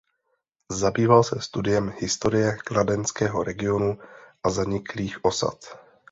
Zabýval se studiem historie kladenského regionu a zaniklých osad.